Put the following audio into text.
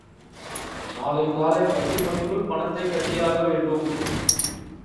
நாளை காலை பத்து மணிக்குள் பணத்தைக் கட்டியாக வேண்டும்.